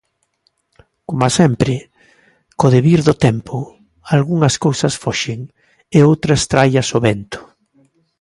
Como sempre, co devir do tempo, algunhas cousas foxen e outras traias o vento.